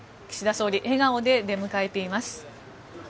総理笑顔で出迎えています。